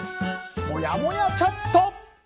もやもやチャット。